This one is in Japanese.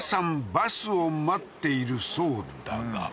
バスを待っているそうだが